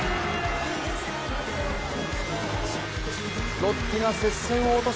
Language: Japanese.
ロッテが接戦を落とし